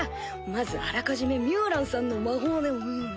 まずあらかじめミュウランさんの魔法で。